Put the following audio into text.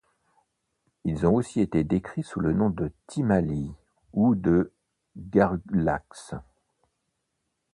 Ils ont aussi été décrits sous le nom de timalies ou de garrulaxes.